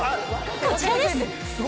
こちらです。